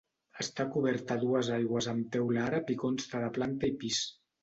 Està cobert a dues aigües amb teula àrab i consta de planta i pis.